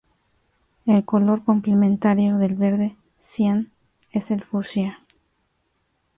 El color complementario del verde cian es el fucsia.